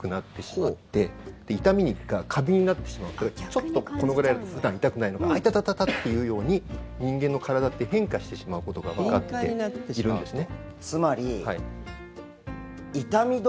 ちょっとこのぐらいだったら普段、痛くないのがあ痛たた！っていうように人間の体って変化してしまうことがわかっているんですね。